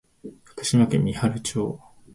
福島県三春町